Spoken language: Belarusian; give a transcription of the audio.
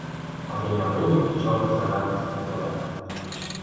Але не буду нічога загадаваць наперад.